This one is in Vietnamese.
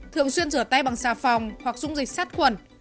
thường xuyên rửa tay bằng xà phòng hoặc dung dịch sát khuẩn